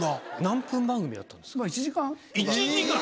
何分番組だったんですか？